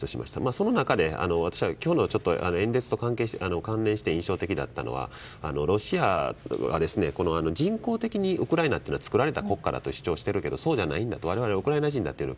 その中で私は今日の演説と関連して印象的だったのはロシアは、人工的にウクライナは作られた国家だと主張しているがそうじゃない我々はウクライナ人だと。